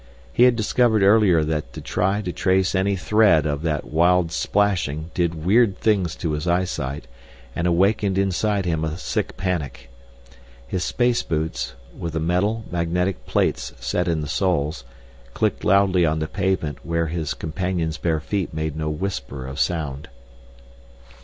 He had discovered earlier that to try to trace any thread of that wild splashing did weird things to his eyesight and awakened inside him a sick panic. His space boots, with the metal, magnetic plates set in the soles, clicked loudly on the pavement where his companion's bare feet made no whisper of sound.